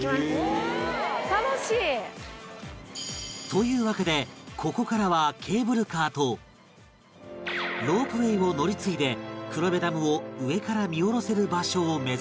というわけでここからはケーブルカーとロープウェーを乗り継いで黒部ダムを上から見下ろせる場所を目指す